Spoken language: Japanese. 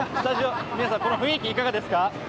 皆さん、この雰囲気どうですか？